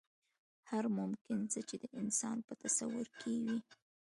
هر ممکن څه چې د انسان په تصور کې وي.